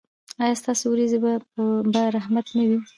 ایا ستاسو ورېځې به رحمت نه وي؟